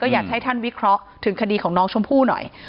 อยากให้ท่านวิเคราะห์ถึงคดีของน้องชมพู่หน่อย